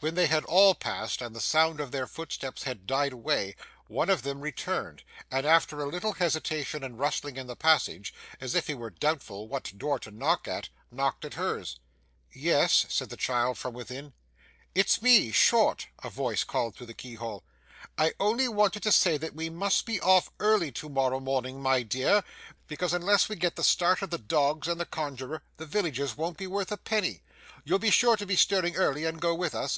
When they had all passed, and the sound of their footsteps had died away, one of them returned, and after a little hesitation and rustling in the passage, as if he were doubtful what door to knock at, knocked at hers. 'Yes,' said the child from within. 'It's me Short' a voice called through the keyhole. 'I only wanted to say that we must be off early to morrow morning, my dear, because unless we get the start of the dogs and the conjuror, the villages won't be worth a penny. You'll be sure to be stirring early and go with us?